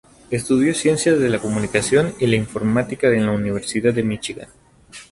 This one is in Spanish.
Estudió Ciencia de la Comunicación y la Informática en la Universidad de Michigan.